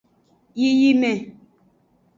Yiyime.